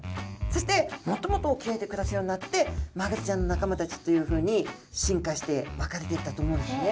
そしてもっともっと沖合で暮らすようになってマグロちゃんの仲間たちっていうふうに進化して分かれていったと思うんですね。